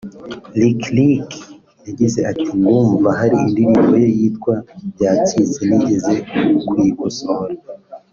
Lick Lick yagize ati “Ndumva hari indirimbo ye yitwa “Byacitse” nigeze kuyikosora